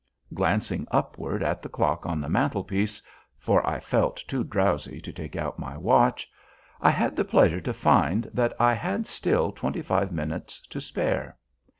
Glancing upward at the clock on the mantelpiece (for I felt too drowsy to take out my watch), I had the pleasure to find that I had still twenty five minutes to spare.